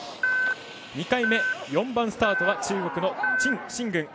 ２回目、４番スタートは中国の陳信軍。